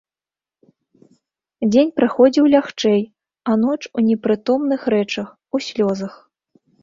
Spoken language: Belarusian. Дзень праходзіў лягчэй, а ноч у непрытомных рэчах, у слёзах.